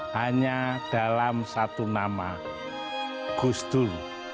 hanya dalam satu nama gustur